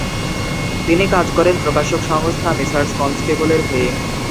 তিনি কাজ করেন প্রকাশক সংস্থা মেসার্স কনস্টেবলের হয়ে।